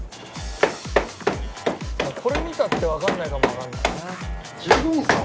これ見たってわかんないかもわかんないね。